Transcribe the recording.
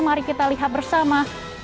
mari kita lihat bersama